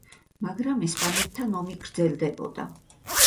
მაგრამ ესპანეთთან ომი გრძელდებოდა.